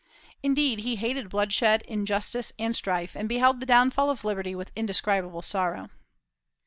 Indeed, he hated bloodshed, injustice, and strife, and beheld the downfall of liberty with indescribable sorrow.